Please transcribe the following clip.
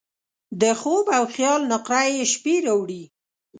د خوب او خیال نقرهيي شپې راوړي